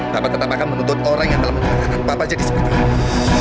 bapak tetap akan menuntut orang yang telah menularkan bapak jadi seperti apa